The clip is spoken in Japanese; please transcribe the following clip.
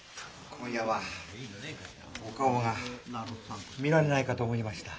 今夜はお顔が見られないかと思いました。